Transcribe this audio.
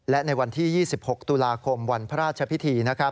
และในวันที่๒๖ตุลาคมวันพระราชพิธี